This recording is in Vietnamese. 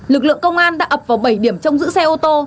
lực lượng công an đã ập vào bảy điểm trong giữ xe ô tô